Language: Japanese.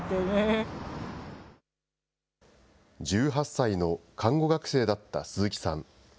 １８歳の看護学生だった鈴木さん。